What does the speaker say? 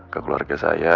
ke keluarga saya